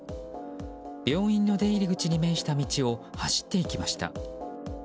病院の出入り口に面した道を走っていきました。